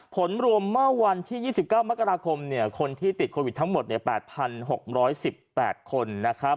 ผลรวมเมื่อวันที่๒๙มกราคมคนที่ติดโควิดทั้งหมด๘๖๑๘คนนะครับ